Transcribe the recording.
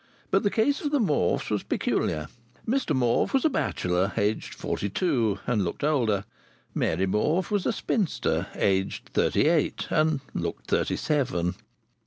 But the case of the Morfes was peculiar. Mr Morfe was a bachelor aged forty two, and looked older. Mary Morfe was a spinster aged thirty eight, and looked thirty seven.